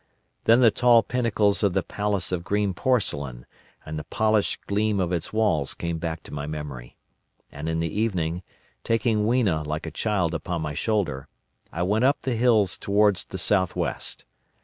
Then the tall pinnacles of the Palace of Green Porcelain and the polished gleam of its walls came back to my memory; and in the evening, taking Weena like a child upon my shoulder, I went up the hills towards the south west.